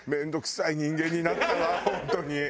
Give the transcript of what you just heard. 本当に。